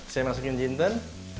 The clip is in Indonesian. saya masukkan jintan